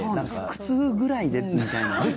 腹痛ぐらいでみたいな。